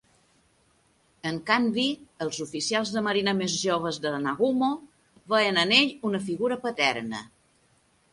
En canvi, els oficials de marina més joves de Nagumo veien en ell una figura paterna.